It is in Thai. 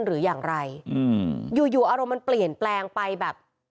หรืออย่างไรอืมอยู่อยู่อารมณ์มันเปลี่ยนแปลงไปแบบ